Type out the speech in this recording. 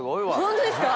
ホントですか？